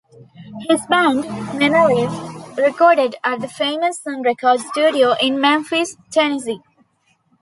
His band, Manalive, recorded at the famous Sun Records Studio in Memphis, Tennessee.